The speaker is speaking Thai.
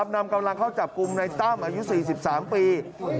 นำกำลังเข้าจับกลุ่มในตั้มอายุ๔๓ปี